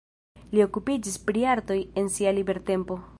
Li okupiĝis pri artoj en sia libertempo.